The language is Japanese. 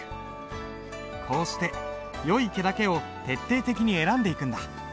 こうしてよい毛だけを徹底的に選んでいくんだ。